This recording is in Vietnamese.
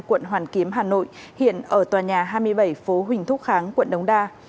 quận hoàn kiếm hà nội hiện ở tòa nhà hai mươi bảy phố huỳnh thu kháng quận đông đa